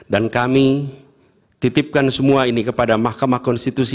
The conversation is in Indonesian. dan kami titipkan semua ini kepada mahkamah konstitusi